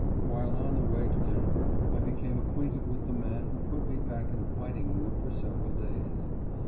While on the way to Denver I became acquainted with the man who put me back in fighting mood for several days.